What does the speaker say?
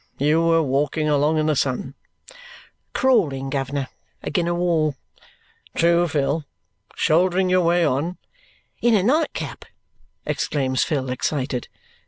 You were walking along in the sun." "Crawling, guv'ner, again a wall " "True, Phil shouldering your way on " "In a night cap!" exclaims Phil, excited.